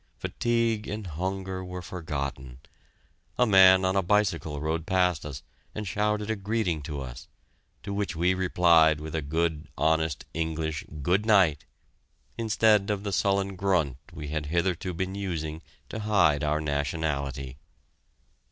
Fatigue and hunger were forgotten. A man on a bicycle rode past us and shouted a greeting to us, to which we replied with a good, honest English "Good night," instead of the sullen grunt we had hitherto been using to hide our nationality.